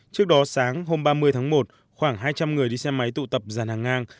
trước đó sáng hôm ba mươi tháng một khoảng hai trăm linh người đi xe máy tụ tập giàn hàng ngang